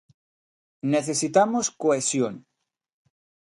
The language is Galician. Necesitamos cohesión.